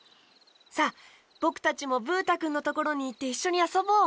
さあぼくたちもブー太くんのところにいっていっしょにあそぼう！